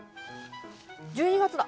１２月だ。